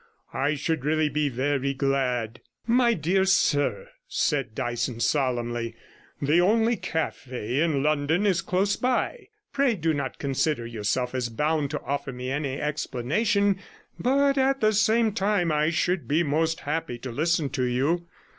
I should really be very glad.' 'My dear sir,' said Dyson solemnly, 'the only cafe in London is close by. Pray do not consider yourself as bound to offer me any explanation, but at the same time I should be most happy to listen to you.